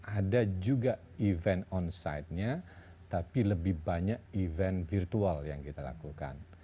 ada juga event onside nya tapi lebih banyak event virtual yang kita lakukan